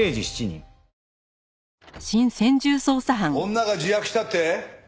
女が自白したって？